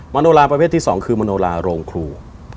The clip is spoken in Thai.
โนราประเภทที่๒คือมโนลาโรงครู